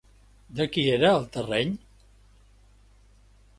De qui era el terreny?